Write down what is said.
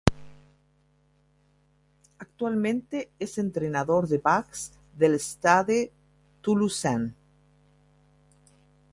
Actualmente es entrenador de backs del Stade Toulousain.